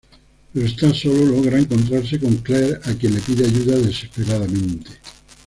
Pero esta solo logra encontrarse con Claire a quien le pide ayuda desesperadamente.